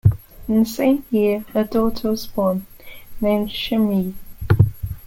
In the same year a daughter was born, named Chinmayee.